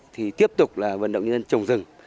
thì tiếp tục là vận động nhân dân trồng rừng